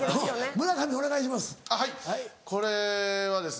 村上お願いします。